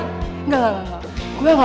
enggak enggak enggak